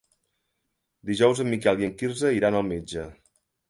Dijous en Miquel i en Quirze iran al metge.